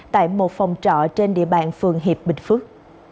tại một phòng trọ trên địa bàn phường hiệp bình phước